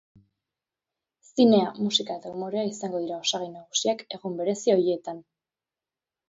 Zinea, musika eta umorea izango dira osagai nagusiak egun berezi horietan.